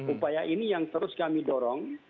upaya ini yang terus kami dorong